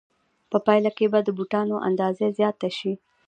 په پایله کې به د بوټانو اندازه زیاته شي